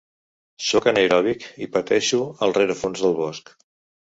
Sóc anaeròbic i pateixo al rerefons del bosc.